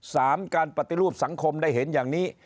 สามการปฏิรูปสังคมได้เห็นอย่างนี้